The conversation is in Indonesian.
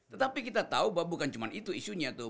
tetapi kita tahu bahwa bukan cuma itu isunya tuh